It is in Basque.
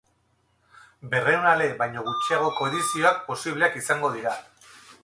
Berrehun ale baino gutxiagoko edizioak posibleak izango dira.